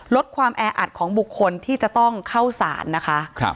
ลดความแออัดของบุคคลที่จะต้องเข้าสารนะคะ